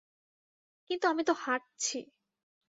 কিন্তু আমি তো হাঁটছি।